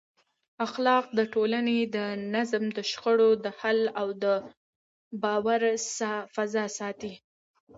اخلاق د ټولنې د نظم، د شخړو د حل او د باور فضا ساتي.